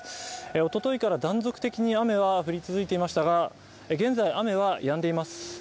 一昨日から断続的に雨が降り続いていましたが、現在雨はやんでいます。